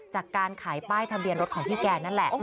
จากการขายป้ายทะเบียนรถของพี่แกนั่นแหละ